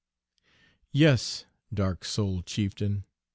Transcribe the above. Yes, dark souled chieftain!